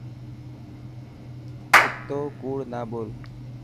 اتو ڪوڙ نا ٻول.